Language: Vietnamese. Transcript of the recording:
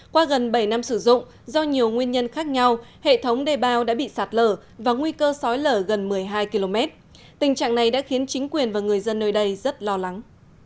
qua gần bảy năm sử dụng do nhiều nguyên nhân khác nhau hệ thống đề bao đã bị sạt lở và nguy cơ sói lở gần một mươi hai km tình trạng này đã khiến chính quyền và người dân nơi đây rất lo lắng